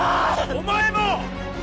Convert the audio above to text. お前も！